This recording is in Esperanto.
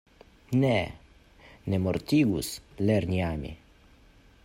Ne, ne mortigus, lerni ami.